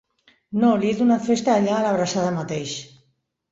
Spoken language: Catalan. No, li he donat festa allà a l'Abraçada mateix.